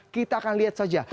kita akan lihat saja